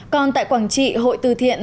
còn tại quảng trị hội từ thiện